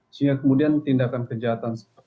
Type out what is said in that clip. sehingga kemudian tindakan kejahatan seperti ini harus berlaku